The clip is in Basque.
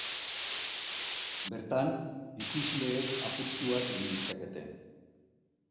Bertan, ikusleek apustuak egin ditzakete.